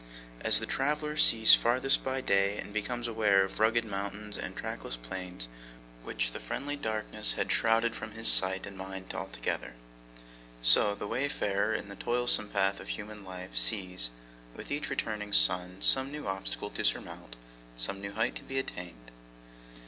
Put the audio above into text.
As the traveller sees farthest by day, and becomes aware of rugged mountains and trackless plains which the friendly darkness had shrouded from his sight and mind together, so, the wayfarer in the toilsome path of human life sees, with each returning sun, some new obstacle to surmount, some new height to be attained.